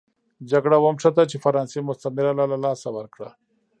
جګړه ونښته چې فرانسې مستعمره له لاسه ورکړه.